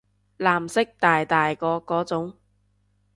藍色大大個嗰種